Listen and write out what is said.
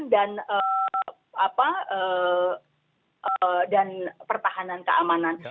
kejahatan dan pertahanan keamanan